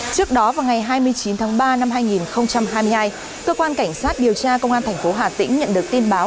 trước đó vào ngày hai mươi chín tháng ba năm hai nghìn hai mươi hai cơ quan cảnh sát điều tra công an tp hà tĩnh nhận được tin báo